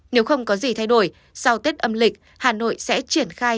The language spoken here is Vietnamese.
nếu không có gì thay đổi sau tết âm lịch hà nội sẽ triển khai